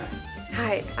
はい。